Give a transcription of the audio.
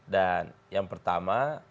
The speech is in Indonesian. dan yang pertama